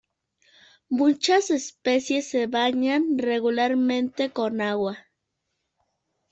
Muchas especies se bañan regularmente con agua.